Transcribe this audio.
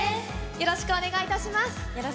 よろしくお願いします。